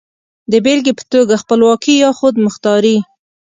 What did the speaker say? د بېلګې په توګه خپلواکي يا خودمختاري.